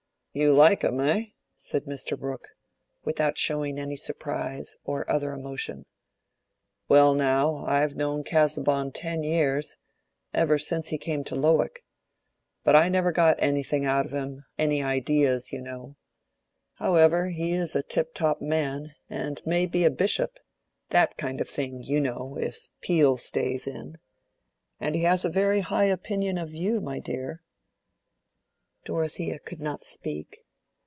"You like him, eh?" said Mr. Brooke, without showing any surprise, or other emotion. "Well, now, I've known Casaubon ten years, ever since he came to Lowick. But I never got anything out of him—any ideas, you know. However, he is a tiptop man and may be a bishop—that kind of thing, you know, if Peel stays in. And he has a very high opinion of you, my dear." Dorothea could not speak.